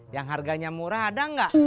yang harganya murah ada nggak